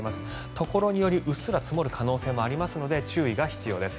ところによりうっすら積もる可能性もありますので注意が必要です。